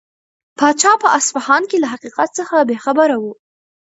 پاچا په اصفهان کې له حقیقت څخه بې خبره و.